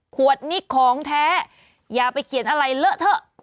ขวดนี้ของแท้อย่าไปเขียนอะไรเลอะเถอะ